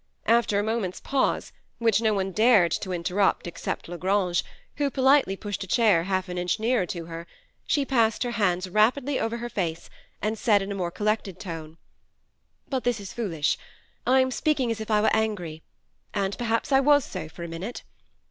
After a moment's pause, which no one dared to interrupt except La Grange, who politely pushed a chair half an inch nearer to her, she passed her hands rapidly over her face, and said in a more collected tone, " But this is foolish, I am speak ing as if I were angry, and perhaps I was so, for a minute.